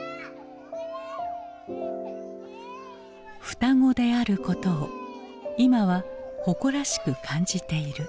双子であることを今は誇らしく感じている。